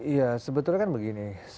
ya sebetulnya kan begini